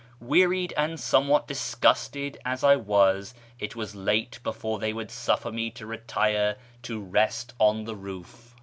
Wearied and somewhat disgusted as I was, it was late before they would suffer me to retire to rest on the roof.